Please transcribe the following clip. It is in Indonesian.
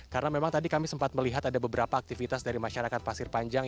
karena memang tadi kami sempat melihat ada beberapa aktivitas dari masyarakat pasir panjang